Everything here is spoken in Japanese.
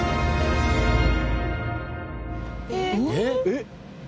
えっ！？